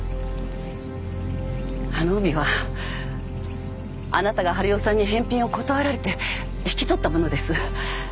あの帯はあなたが治代さんに返品を断られて引き取ったものです。